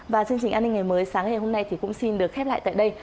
và chương trình an ninh ngày mới sáng ngày hôm nay thì cũng xin được khép lại tại đây